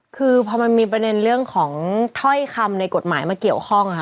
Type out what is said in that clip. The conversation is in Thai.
คือพอมันมีประเด็นเรื่องของถ้อยคำในกฎหมายมาเกี่ยวข้องค่ะ